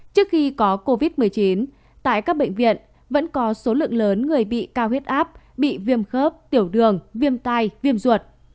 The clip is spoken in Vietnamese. trước khi có covid một mươi chín tại các bệnh viện vẫn có số lượng lớn người bị cao huyết áp bị viêm khớp tiểu đường viêm tai viêm ruột